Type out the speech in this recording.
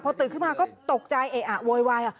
ตื่นขึ้นมาก็ตกใจเออะโวยวาย